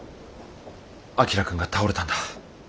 旭君が倒れたんだ。